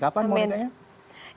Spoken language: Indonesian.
kapan mau rekannya